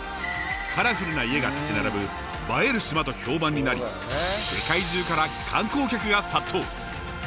カラフルな家が立ち並ぶばえる島と評判になり世界中から観光客が殺到。